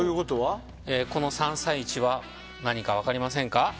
この３３１は何か分かりませんか？